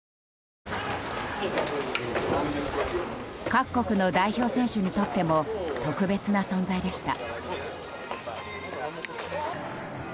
各国の代表選手にとっても特別な存在でした。